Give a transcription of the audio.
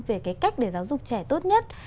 về cách để giáo dục trẻ tốt nhất